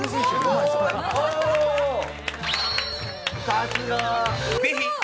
さすが！